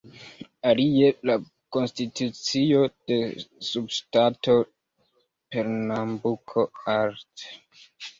Alie, la konstitucio de subŝtato Pernambuko, art.